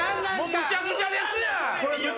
むちゃむちゃですやん！